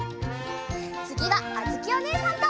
つぎはあづきおねえさんと！